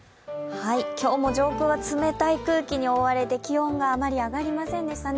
今日も上空は冷たい空気に覆われて気温があまり上がりませんでしたね。